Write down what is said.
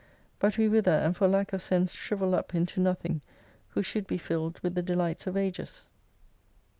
But we wither and for lack of sense shrivel up into nothing, who should be filled with the delights of ages.